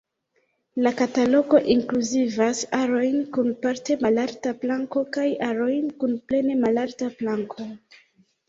La katalogo inkluzivas arojn kun parte malalta planko kaj arojn kun plene malalta planko.